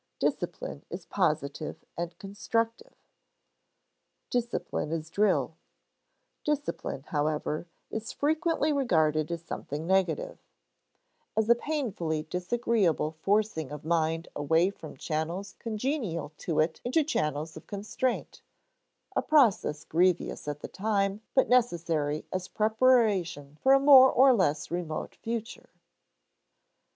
Discipline is positive and constructive. [Sidenote: Discipline as drill] Discipline, however, is frequently regarded as something negative as a painfully disagreeable forcing of mind away from channels congenial to it into channels of constraint, a process grievous at the time but necessary as preparation for a more or less remote future.